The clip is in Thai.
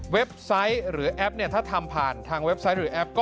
ไซต์หรือแอปเนี่ยถ้าทำผ่านทางเว็บไซต์หรือแอปก็